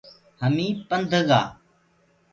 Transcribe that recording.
همي پنڌ گآ۔